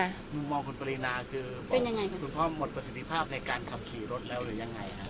ค่ะมึงมองคุณปรินาคือเป็นยังไงค่ะคุณพ่อหมดประสิทธิภาพในการขับขี่รถแล้วหรือยังไง